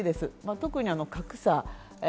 特に格差。